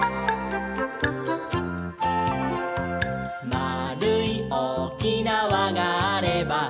「まあるいおおきなわがあれば」